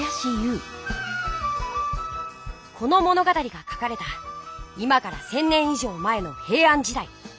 この物語が書かれた今から１，０００年い上前のへいあん時だい。